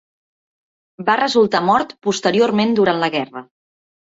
Va resultar mort posteriorment durant la guerra.